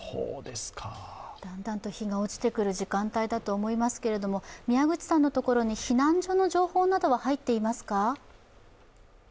だんだんと日が落ちてくる時間帯だと思いますけども宮口さんのところに避難所などの情報は入ってきていますか？